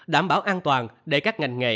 đảm bảo an toàn để các ngành nghề